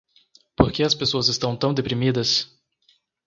Por que as pessoas estão tão deprimidas?